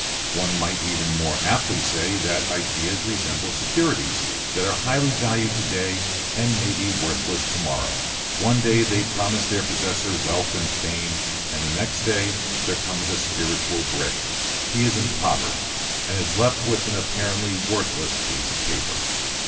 One might even more aptly say that ideas resemble securities that are highly valued to day and may be worthless to morrow; one day they promise their possessor wealth and fame, and the next day there comes a spiritual break, he is impoverished, and is left with an apparently worthless piece of paper....